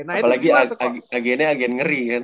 apalagi agennya agen ngeri kan